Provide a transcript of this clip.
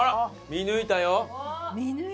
見抜いた！